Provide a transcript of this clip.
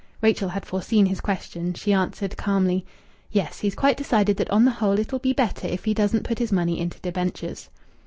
Rachel had foreseen his question. She answered calmly: "Yes. He's quite decided that on the whole it'll be better if he doesn't put his money into debentures."